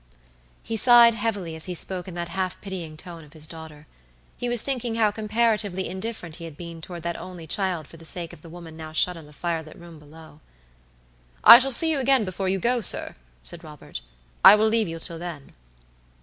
He sighed heavily as he spoke in that half pitying tone of his daughter. He was thinking how comparatively indifferent he had been toward that only child for the sake of the woman now shut in the fire lit room below. "I shall see you again before you go, sir," said Robert; "I will leave you till then."